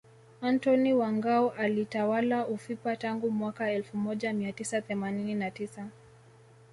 Antony wa Ngao alitawala ufipa tangu mwaka elfu moja mia tisa themanini na tisa